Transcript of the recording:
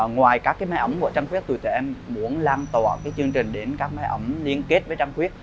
ngoài các cái máy ấm của trăm khuyết tụi tụi em muốn làm tổ cái chương trình đến các máy ấm liên kết với trăm khuyết